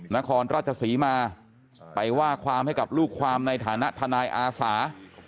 นครราชศรีมาไปว่าความให้กับลูกความในฐานะทนายอาสา